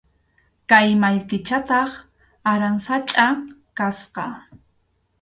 Kay mallkichataq aransachʼa kasqa.